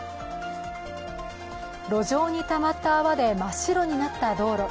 路上にたまった泡で真っ白になった道路。